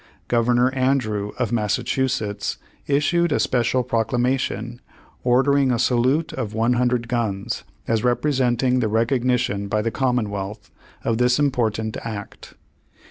Governor Andrew, of Massachusetts, issued a special proclamation, ordering a salute of one hundred guns, as representing the recogni tion by the commonwealth, of this important act.